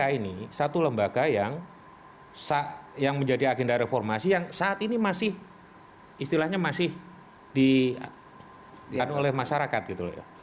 nah kpk ini satu lembaga yang menjadi agenda reformasi yang saat ini masih istilahnya masih diadukan oleh masyarakat